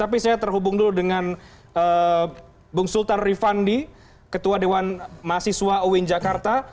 tapi saya terhubung dulu dengan bung sultan rifandi ketua dewan mahasiswa uin jakarta